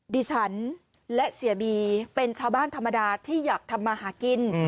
ดิฉันและเสียบีเป็นชาวบ้านธรรมดาที่อยากทำมาหากิน